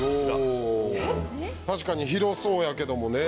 確かに広そうやけどもね。